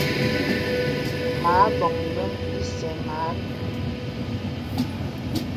Mə̀ abɔ̀ŋ yɔ̀m ìsɛ̂ mə a lìŋ.